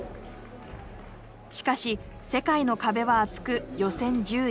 しかし世界の壁は厚く予選１０位。